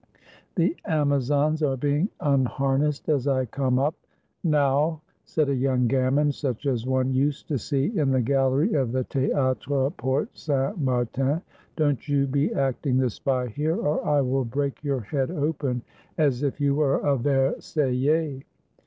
The Amazons are being unharnessed as I come up. "Now," said a young gamin, such as one used to see in the gallery of the Theatre Porte St. Mar tin, "don't you be acting the spy here, or I will break your head open as if you were a Versaillais."